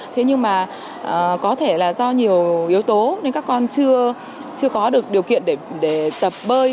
thế nhưng mà có thể là do nhiều yếu tố nên các con chưa có được điều kiện để tập bơi